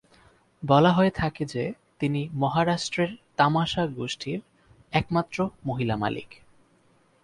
বলা হয়ে থাকে যে তিনি মহারাষ্ট্রের তামাশা গোষ্ঠীর একমাত্র মহিলা মালিক।